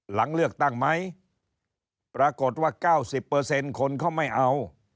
หลังเลือกตั้งไหมปรากฏว่า๙๐คนเขาไม่เอา